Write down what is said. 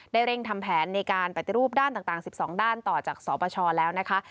เร่งทำแผนในการปฏิรูปด้านต่าง๑๒ด้านต่อจากสปชแล้วนะคะ